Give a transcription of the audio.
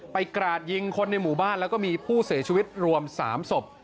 กราดยิงคนในหมู่บ้านแล้วก็มีผู้เสียชีวิตรวม๓ศพ